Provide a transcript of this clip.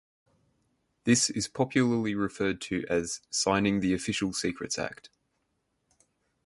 This is popularly referred to as "signing the Official Secrets Act".